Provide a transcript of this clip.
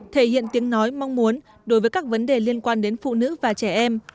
thể hiện tiếng nói mong muốn đối với các vấn đề liên quan đến phụ nữ và trẻ em